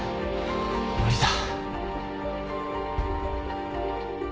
無理だ。